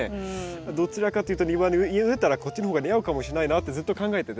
どちらかというと庭に植えるんだったらこっちの方が似合うかもしれないなってずっと考えてて悩んでて。